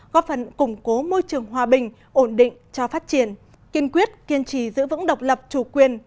góp phần củng cố môi trường hòa bình ổn định cho phát triển kiên quyết kiên trì giữ vững độc lập chủ quyền